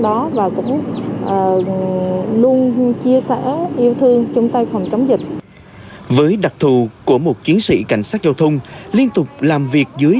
tay phòng chống dịch với đặc thù của một chiến sĩ cảnh sát giao thông liên tục làm việc dưới